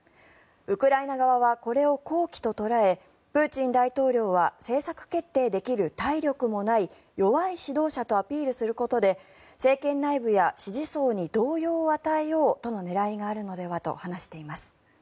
ウクライナ側はこれを好機と捉えプーチン大統領は政策決定できる体力もない弱い指導者とアピールすることで政権内部や支持層に動揺を与えようとの狙いがあるのではと話しています。